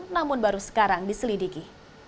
namun baru sekarang diselidiki